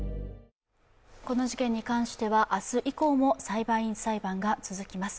この事件に関しては、明日以降も裁判員裁判が続きます。